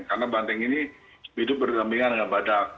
karena banteng ini hidup bergambingan dengan badak